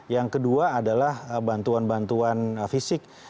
yang kedua adalah bantuan bantuan fisik